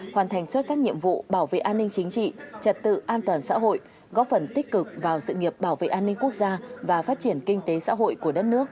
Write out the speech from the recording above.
hoàn thành xuất sắc nhiệm vụ bảo vệ an ninh chính trị trật tự an toàn xã hội góp phần tích cực vào sự nghiệp bảo vệ an ninh quốc gia và phát triển kinh tế xã hội của đất nước